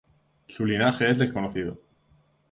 Su linaje es desconocido.